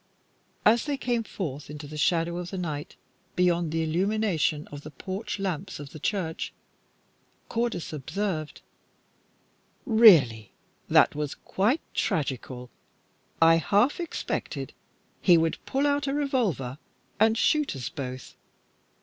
As they came forth into the shadow of the night, beyond the illumination of the porch lamps of the church, Cordis observed "Really, that was quite tragical. I half expected he would pull out a revolver and shoot us both.